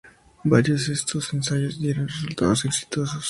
Varios de estos ensayos dieron resultados exitosos.